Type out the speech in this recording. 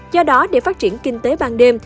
do đó để phát triển kinh tế ban đêm